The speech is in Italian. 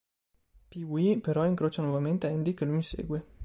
Pee-wee però incrocia nuovamente Andy che lo insegue.